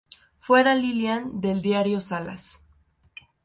Fuera lilian del dario salas!!